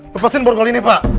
lepasin borgolini pak